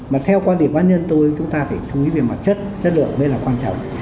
mà theo quan điểm cá nhân tôi chúng ta phải chú ý về mặt chất chất lượng mới là quan trọng